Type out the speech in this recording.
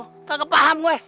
nggak kepaham gue